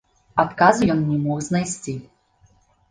Адказу ён не мог знайсці.